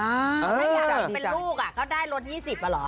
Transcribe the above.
ถ้าอยากออกเป็นลูกก็ได้ลด๒๐บาทเหรอ